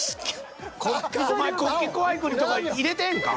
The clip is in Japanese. お前国旗怖い国とか入れてええんか？